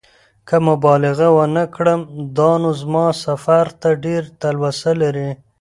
که مبالغه ونه کړم دا نو زما سفر ته ډېره تلوسه لري.